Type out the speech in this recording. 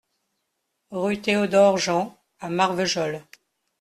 Rue Théodore Jean à Marvejols